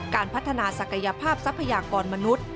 การพัฒนาศักยภาพทรัพยากรมนุษย์